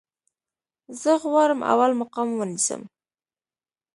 زه غواړم اول مقام ونیسم